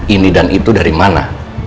ini dan itu darimana